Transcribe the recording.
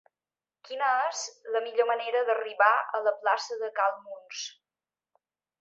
Quina és la millor manera d'arribar a la plaça de Cal Muns?